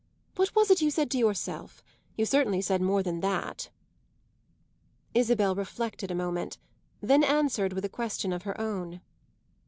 What was it you said to yourself? You certainly said more than that." Isabel reflected a moment, then answered with a question of her own.